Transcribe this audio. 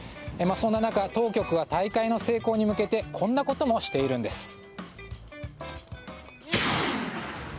そんな中、当局は大会の成功に向けてこんなこともしているんです。